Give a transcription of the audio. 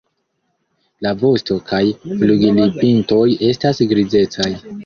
La vosto- kaj flugilpintoj estas grizecaj.